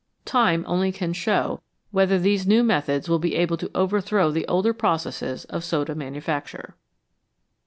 Time only can show whether these new methods will be able to overthrow the older processes of soda manufacture.